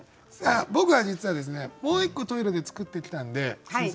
僕は実はもう１個「トイレ」で作ってきたんで先生